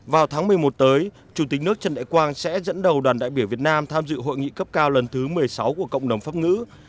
vào tháng một mươi một tới chủ tịch nước trần đại quang sẽ dẫn đầu đoàn đại biểu việt nam tham dự hội nghị cấp cao lần thứ một mươi sáu của cộng đồng pháp ngữ